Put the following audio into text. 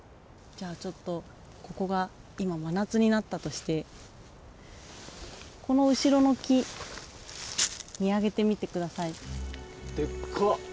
じゃあちょっとここが今真夏になったとしてこの後ろの木見上げてみてください。でっか！